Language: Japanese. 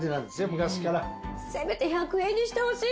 せめて１００円にしてほしい！